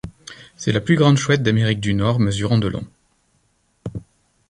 C'est la plus grande chouette d'Amérique du Nord mesurant de long.